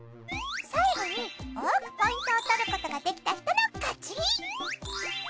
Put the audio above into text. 最後に多くポイントをとることができた人の勝ち。